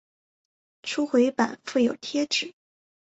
初回版附有贴纸。